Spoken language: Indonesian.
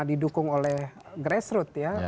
didukung oleh grassroot ya